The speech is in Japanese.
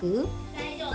大丈夫。